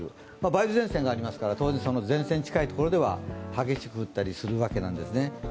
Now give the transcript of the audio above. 梅雨前線がありますから、当然、前線の近くでは激しく降ったりするわけですね。